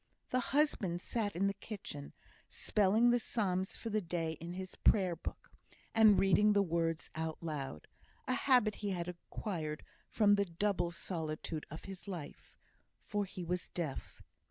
The husband sat in the kitchen, spelling the psalms for the day in his Prayer book, and reading the words out aloud a habit he had acquired from the double solitude of his life, for he was deaf.